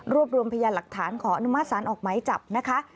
รวมรวมพยานหลักฐานขออนุมัติศาลออกไหมจับนะคะ